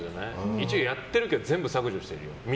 一応やってるけど全部削除してるよ。